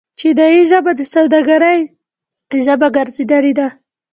چیني ژبه د سوداګرۍ ژبه ګرځیدلې ده.